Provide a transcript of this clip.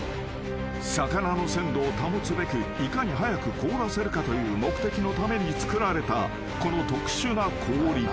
［魚の鮮度を保つべくいかに早く凍らせるかという目的のためにつくられたこの特殊な氷］